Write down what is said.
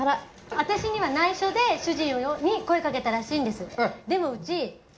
私にはないしょで、主人に声かけたらしいんです。